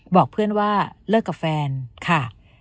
บอกเพื่อนว่าเลิกกับแฟนค่ะ